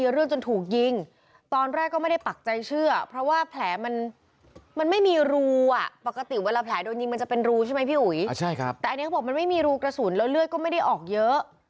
แต่อันนี้เขาบอกมันไม่มีรูกระสุนแล้วเลือดก็ไม่ได้ออกเยอะ